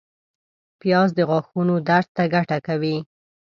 پیاز د غاښونو درد ته ګټه کوي